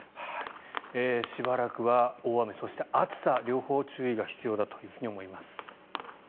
しばらくは大雨そして暑さ、両方に注意が必要だと思います。